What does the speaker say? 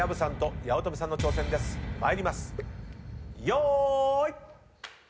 よーい。